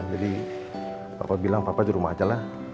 jadi papa bilang papa di rumah aja lah